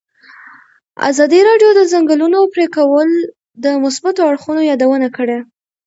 ازادي راډیو د د ځنګلونو پرېکول د مثبتو اړخونو یادونه کړې.